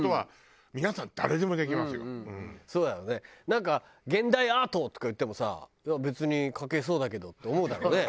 なんか「現代アート」とか言ってもさ「別に描けそうだけど」って思うだろうね